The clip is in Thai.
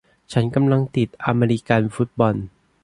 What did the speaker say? ฉันกำลังติดอเมริกันฟุตบอล